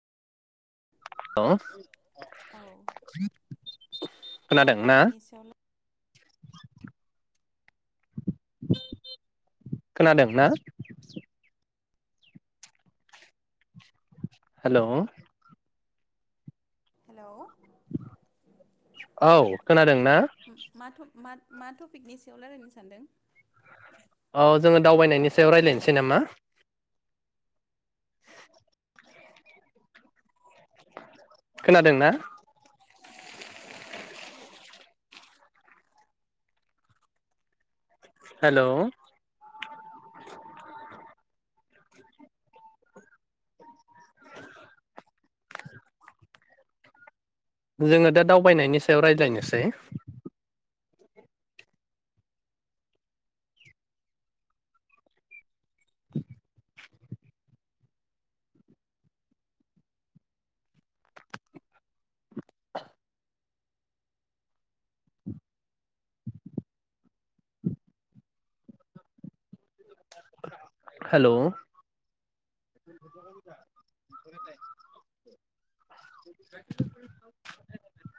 औ हेल' मा खोनादों ना? टपिकनि सायाव खोनादों ना? हेलौ। हेलौ। औ खोनादों ना? मा मा मा टपिकनि सायाव रायजलायनो सानदों। औ जोङो दावबायनायनि सायाव रायज्लायनोसै नामा? खोनादोंना? हेलौ। जोङो दा दावबायनायनि सायाव रायज्लायनोसै। द हेलौ।